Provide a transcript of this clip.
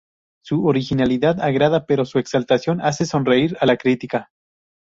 Su originalidad agrada pero su exaltación hace sonreír a la crítica.